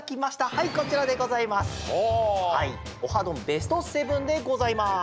ベスト７でございます。